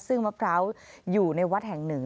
ซึ่งมะพร้าวอยู่ในวัดแห่งหนึ่ง